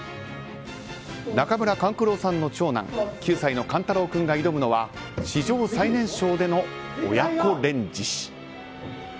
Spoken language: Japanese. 中村勘九郎さんの長男９歳の勘太郎君が挑むのは史上最年少での親子「連獅子」。